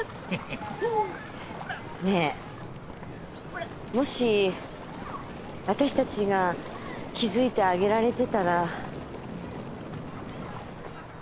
ねえもし私たちが気付いてあげられてたら。